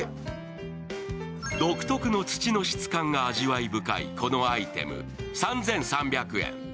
独特の土の質感が味わい深いこのアイテム、３３００円。